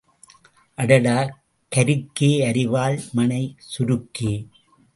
அடடா கருக்கே அரிவாள் மணை சுருக்கே!